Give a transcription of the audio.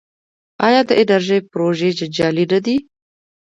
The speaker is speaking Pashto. آیا د انرژۍ پروژې جنجالي نه دي؟